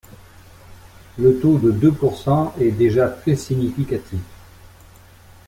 Le taux de deux pourcent est déjà très significatif.